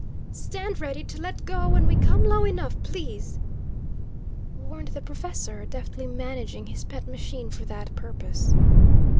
"Stand ready to let go when we come low enough, please," warned the professor, deftly managing his pet machine for that purpose.